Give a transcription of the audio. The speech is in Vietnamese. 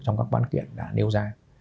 trong các văn kiện đã nêu ra